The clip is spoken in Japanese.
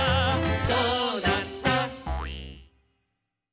「どうなった！」